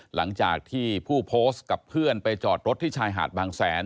หลังจากที่ผู้โพสต์กับเพื่อนไปจอดรถที่ชายหาดบางแสน